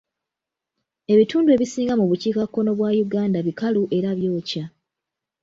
Ebitundu ebisinga mu bukiikakkono bwa Uganda bikalu era byokya.